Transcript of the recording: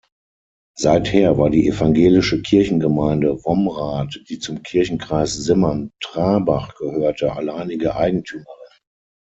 Seither war die Evangelische Kirchengemeinde Womrath, die zum Kirchenkreis Simmern-Trarbach gehörte, alleinige Eigentümerin.